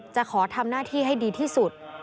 จะขอทำหน้าที่ให้ดีที่สุด